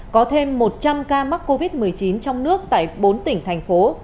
có thêm một trăm linh ca mắc covid một mươi chín trong nước tại bốn tỉnh thành phố